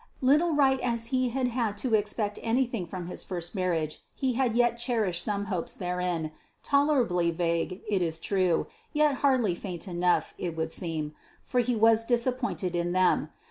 Little right as he had had to expect anything from his first marriage, he had yet cherished some hopes therein tolerably vague, it is true, yet hardly faint enough, it would seem, for he was disappointed in them.